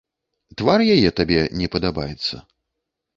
Твар яе табе не падабаецца?